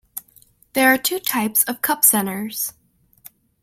There are two types of cup centers.